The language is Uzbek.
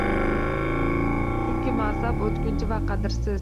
Chunki mansab o‘tkinchi va qadrsiz